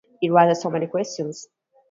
It raises so many questions.